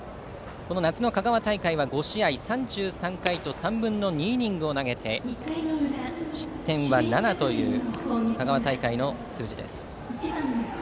この夏の香川大会は５試合３３回と３分の２イニングを投げ失点は７という香川大会の数字。